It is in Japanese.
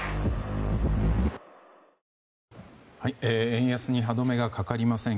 円安に歯止めがかかりません。